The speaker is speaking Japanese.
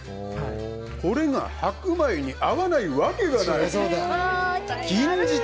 これが白米に合わないわけがない！